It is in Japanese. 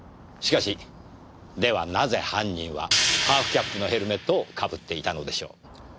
しかしではなぜ犯人はハーフキャップのヘルメットをかぶっていたのでしょう。